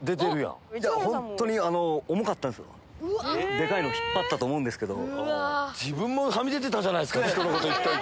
でかいの引っ張ったと思うんですけど。